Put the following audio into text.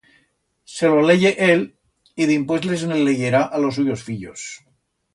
Se lo leye él y dimpués les ne leyerá a los suyos fillos.